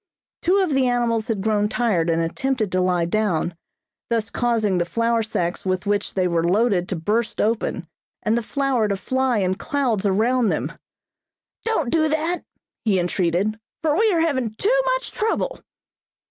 Two of the animals had grown tired and attempted to lie down, thus causing the flour sacks with which they were loaded to burst open and the flour to fly in clouds around them. "Don't do that," he entreated, "for we are having too much trouble!"